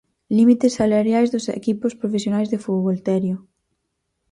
Límites salariais dos equipos profesionais de fútbol, Terio.